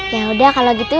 yaudah kalau gitu